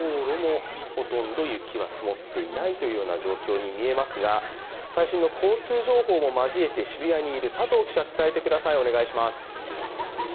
ほとんど雪は積もっていない状況に見えますが最新の交通情報も交えて渋谷にいる佐藤記者、伝えてください。